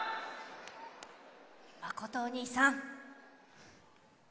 まことおにいさん。